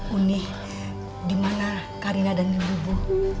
unik di mana karina dan ibu ibu